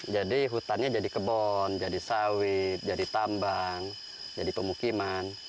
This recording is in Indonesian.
jadi hutannya jadi kebon jadi sawit jadi tambang jadi pemukiman